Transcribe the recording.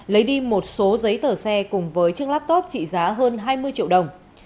lấy đi một số giấy tờ xe cùng với chiếc laptop trị giá hơn hai mươi triệu đồng